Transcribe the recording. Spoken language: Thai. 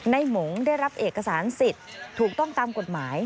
หมงได้รับเอกสารสิทธิ์ถูกต้องตามกฎหมาย